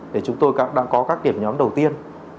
để chúng tôi đang có các điểm nhóm đầu tiên